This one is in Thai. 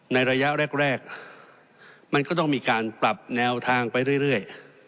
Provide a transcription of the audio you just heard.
ในระยะแรกมันก็ต้องมีการปรับแนวทางไปเรื่อย